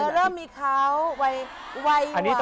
เริ่มมีเขานี้อ่ะ